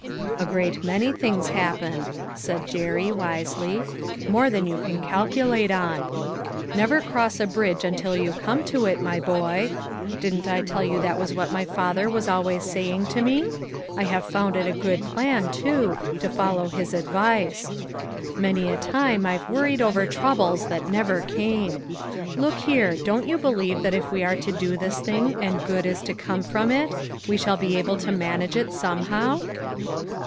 "A great many things happen," said Jerry, wisely. " More than you can calculate on. ' Never cross a bridge until you come to it, my boy.' Didn't I tell you that was what my father was always saying to me? I have found it a 218 LITTLE FISHERS: AND THEIR NETS. good plan, too, to follow his advice. Many a time I've worried over troubles that never came. Look here, don't you believe that if we are to do this thing and good is to come from it, we shall be able to manage it somehow